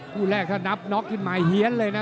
คู่แรกนับน็อกกินมาเหี้ยนเลยนะ